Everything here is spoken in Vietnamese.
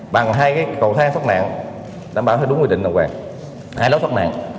bên cạnh sự hào hức